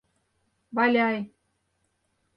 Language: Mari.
Валяй.